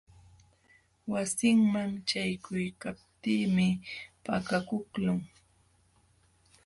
Wasinman ćhaykuykaptiimi pakakuqlun.